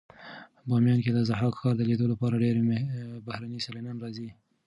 بامیان کې د ضحاک ښار د لیدلو لپاره ډېر بهرني سېلانیان راځي.